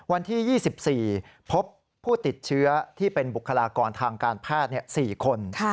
วันที่๒๔พบผู้ติดเชื้อที่เป็นบุคลากรทางการแพทย์๔คน